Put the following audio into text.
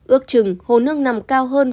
ước chừng hồ nước nằm cao hơn